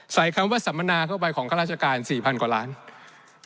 คำว่าสัมมนาทั่วไปของข้าราชการ๔๐๐กว่าล้านบาท